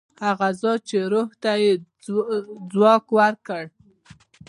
هغه ذات چې روح ته یې ځواک ورکړ.